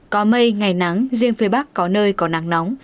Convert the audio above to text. có mây ngày nắng riêng phía bắc có nơi có nắng nóng